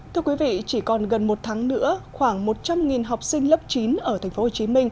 thưa quý vị chỉ còn gần một tháng nữa khoảng một trăm linh học sinh lớp chín ở tp hcm